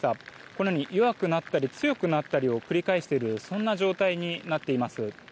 このように弱くなったり強くなったりを繰り返しているそんな状態になっています。